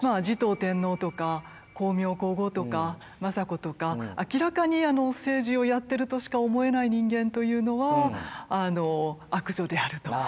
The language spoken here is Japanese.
持統天皇とか光明皇后とか政子とか明らかに政治をやってるとしか思えない人間というのは悪女であると。